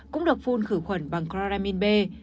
cũng được phun khử khuẩn bằng chloramin b